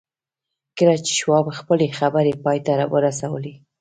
کله چې شواب خپلې خبرې پای ته ورسولې.